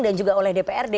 dan juga oleh dprd